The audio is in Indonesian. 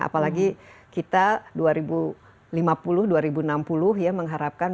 apalagi kita dua ribu lima puluh dua ribu enam puluh ya mengharapkan